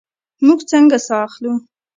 موږ څنګه ساه اخلو؟